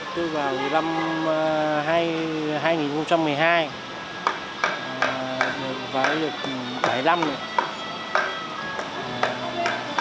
tôi vào năm hai nghìn một mươi hai vào được bảy năm rồi